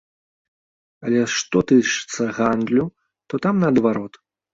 Але што тычыцца гандлю, то там наадварот.